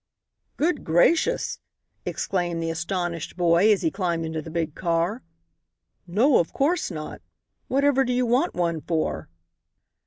"Good gracious," exclaimed the astonished boy as he climbed into the big car; "no, of course not. Whatever do you want one for?"